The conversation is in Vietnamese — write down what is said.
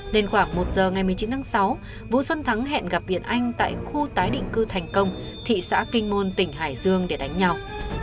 nên khoảng một giờ ngày một mươi chín tháng sáu vũ xuân thắng hẹn gặp anh tại khu tái định cư thành công thị xã kinh môn tỉnh hải dương để đánh nhau